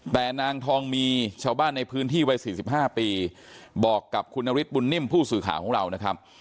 แต่นางทองมีชาวบ้านในพื้นที่วัย๔๕ปีบอกกับคุณนฤทธบุญนิ่มผู้สื่อข่าวของเรานะครับ